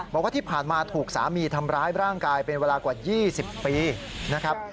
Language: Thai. บอกว่าที่ผ่านมาถูกสามีทำร้ายร่างกายเป็นเวลากว่า๒๐ปีนะครับ